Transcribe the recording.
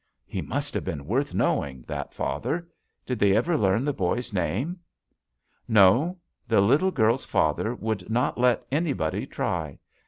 He must have been worth knowing — that father. Did they ever learn the boy's name?" "No. The little girl's father would not let anybody try.